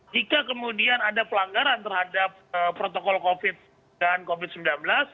jika kemudian ada pelanggaran terhadap protokol covid dan covid sembilan belas